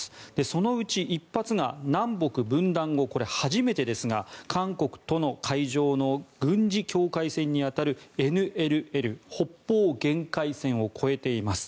そのうち１発が南北分断後これは初めてですが韓国との海上の軍事境界線に当たるＮＬＬ・北方限界線を越えています。